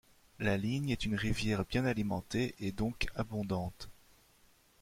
La Ligne est une rivière bien alimentée et donc abondante.